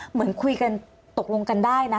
เหมือนคุยกันตกลงกันได้นะ